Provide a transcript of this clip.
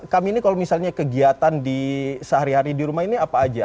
kami ini kalau misalnya kegiatan di sehari hari di rumah ini apa aja